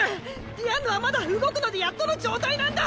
ディアンヌはまだ動くのでやっとの状態なんだ！